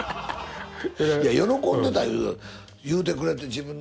いや喜んでた言うてくれて。